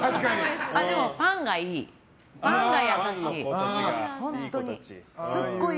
でもファンがいい。